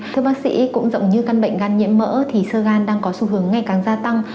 thưa bác sĩ cũng giống như căn bệnh gan nhiễm mỡ thì sơ gan đang có xu hướng ngày càng gia tăng